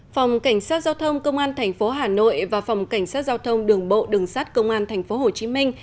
phòng cảnh sát giao thông công an tp hà nội và phòng cảnh sát giao thông đường bộ đường sát công an tp hồ chí minh